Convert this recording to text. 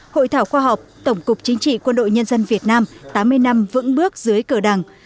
hội thảo khoa học tổng cục chính trị quân đội nhân dân việt nam tám mươi năm vững bước dưới cờ đảng